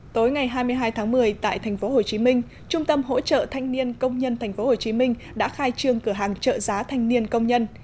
tối ngày hai mươi hai tháng một mươi tại tp hcm trung tâm hỗ trợ thanh niên công nhân tp hcm đã khai trương cửa hàng trợ giá thanh niên công nhân